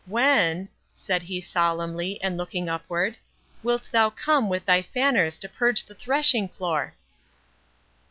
When," said he solemnly, and looking upward, "wilt thou come with thy fanners to purge the thrashing floor?"